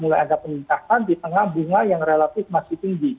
mulai ada peningkatan di tengah bunga yang relatif masih tinggi